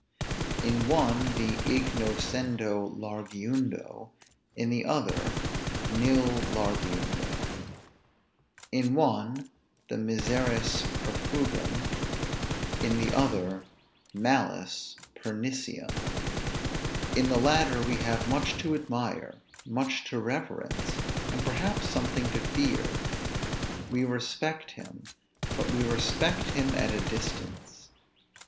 In one the ignoscendo largiundo; in the other, nil largiundo. In one, the miseris perfugium; in the other, malis perniciem. In the latter we have much to admire, much to reverence, and perhaps something to fear; we respect him, but we respect him at a distance.